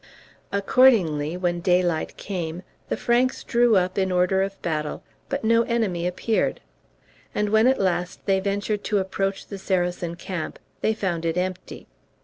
Accordingly, when daylight came, the Franks drew up in order of battle, but no enemy appeared; and when at last they ventured to approach the Saracen camp they found it empty.